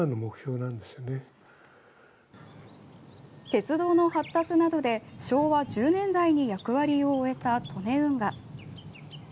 鉄道の発達などで昭和１０年代に役割を終えた利根運河。